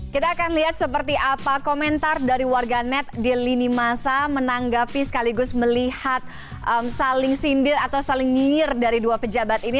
kita akan lihat seperti apa komentar dari warga net di lini masa menanggapi sekaligus melihat saling sindir atau saling nyir dari dua pejabat ini